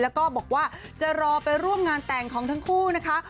แล้วก็บอกว่าจะรอไปร่วมงานแต่งของทั้งคู่นะคะ